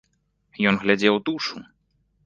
Ён глядзеў у душу!